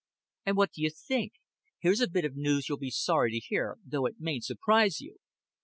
"And what do you think? Here's a bit of news you'll be sorry to hear, though it mayn't surprise you."